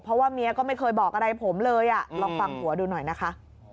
เพราะว่าเมียก็ไม่เคยบอกอะไรผมเลยอ่ะลองฟังผัวดูหน่อยนะคะ